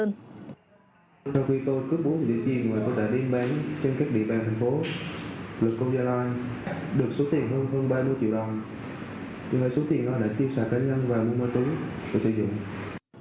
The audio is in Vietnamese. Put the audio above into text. trong khi tôi cướp bốn vụ cướp giật tài sản tôi đã đi bán trên các địa bàn thành phố lượt công gia loại